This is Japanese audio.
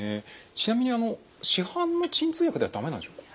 ちなみにあの市販の鎮痛薬では駄目なんでしょうか？